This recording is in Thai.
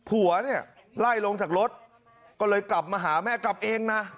ผัวเนี่ยไล่ลงจากรถก็เลยกลับมาหาแม่กลับเองนะ